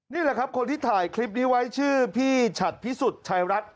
นี่แหละครับคนที่ถ่ายคลิปนี้ไว้ชื่อพี่ฉัดพิสุทธิ์ชายรัฐ